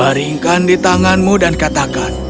baringkan di tanganmu dan katakan